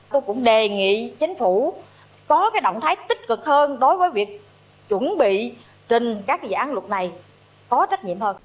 tôi cũng đề nghị chính phủ có cái động thái tích cực hơn đối với việc chuẩn bị trên các dự án luật này có trách nhiệm hơn